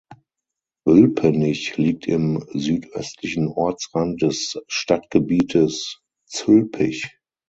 Ülpenich liegt am südöstlichen Ortsrand des Stadtgebietes Zülpich.